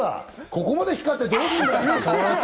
ここまで光ってどうすんだ！